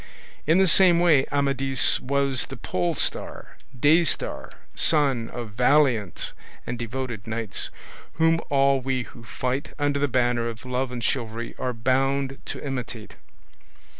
In the same way Amadis was the polestar, day star, sun of valiant and devoted knights, whom all we who fight under the banner of love and chivalry are bound to imitate.